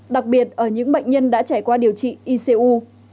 đặc biệt ở những bệnh nhân đã trải qua điều trị icu